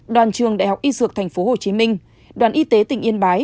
đoàn trường đại học y dược tp hcm đoàn y tế tỉnh yên bái